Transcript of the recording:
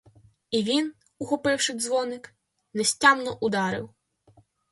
І він, ухопивши дзвоник, нестямно ударив.